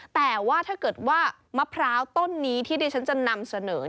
แต่ว่าถ้าเกิดว่ามะพร้าวต้นนี้ที่ดิฉันจะนำเสนอ